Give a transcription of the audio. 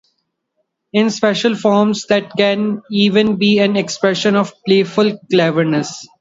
In special forms, that can even be an expression of playful cleverness.